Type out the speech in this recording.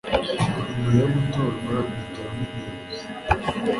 nyuma yo gutorwa bitoramo umuyobozi